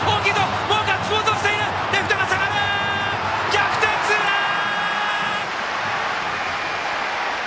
逆転ツーラン！